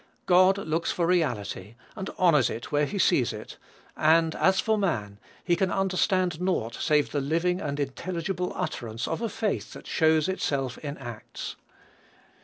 God looks for reality, and honors it where he sees it; and as for man, he can understand naught save the living and intelligible utterance of a faith that shows itself in acts.